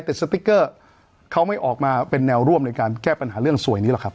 แต่สติ๊กเกอร์เขาไม่ออกมาเป็นแนวร่วมในการแก้ปัญหาเรื่องสวยนี้หรอกครับ